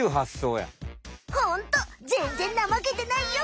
ホントぜんぜんなまけてないよ！